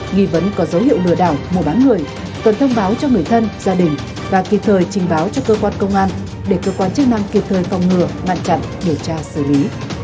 nghi vấn có dấu hiệu lừa đảo mua bán người cần thông báo cho người thân gia đình và kịp thời trình báo cho cơ quan công an để cơ quan chức năng kịp thời phòng ngừa ngăn chặn điều tra xử lý